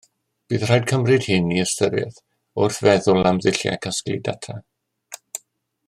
Bydd rhaid cymryd hyn i ystyriaeth wrth feddwl am ddulliau casglu data